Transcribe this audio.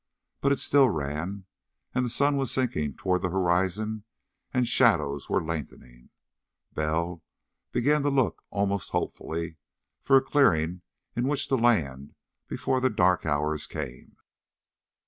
But it still ran, and the sun was sinking toward the horizon and shadows were lengthening, and Bell began to look almost hopefully for a clearing in which to land before the dark hours came.